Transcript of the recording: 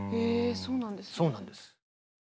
そうなんです。